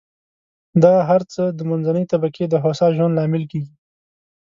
دغه هر څه د منځنۍ طبقې د هوسا ژوند لامل کېږي.